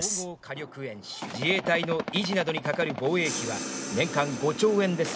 自衛隊の維持などにかかる防衛費は年間５兆円です。